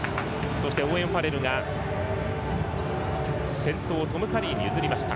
そしてオーウェン・ファレルが先頭をトム・カリーに譲りました。